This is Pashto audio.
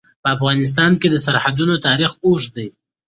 په افغانستان کې د سرحدونه تاریخ اوږد دی.